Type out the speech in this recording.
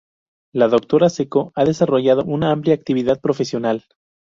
La doctora Seco ha desarrollado una amplia actividad profesional.